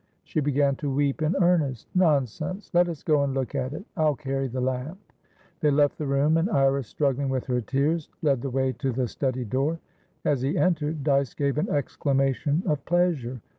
She began to weep in earnest. "Nonsense! Let us go and look at it. I'll carry the lamp." They left the room, and Iris, struggling with her tears, led the way to the study door. As he entered Dyce gave an exclamation of pleasure.